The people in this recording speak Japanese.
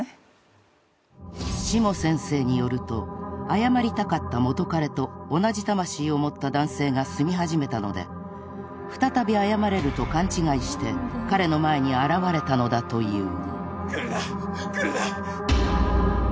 ［下先生によると謝りたかった元カレと同じ魂を持った男性が住み始めたので再び謝れると勘違いして彼の前に現れたのだという］